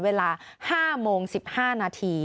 เวลา๕โมง๑๕นาที